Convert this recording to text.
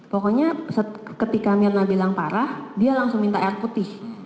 pokoknya ketika mirna bilang parah dia langsung minta air putih